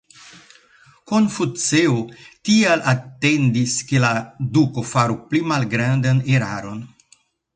Konfuceo tial atendis ke la duko faru pli malgrandan eraron.